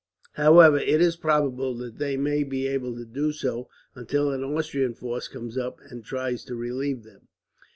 However, it is probable that they may be able to do so until an Austrian force comes up, and tries to relieve them.